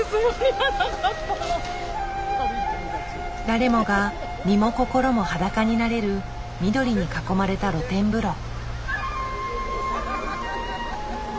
誰もが身も心も裸になれる緑に囲まれた露天風呂。